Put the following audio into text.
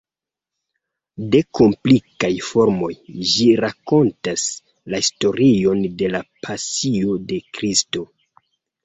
De komplikaj formoj, ĝi rakontas la historion de la Pasio de Kristo.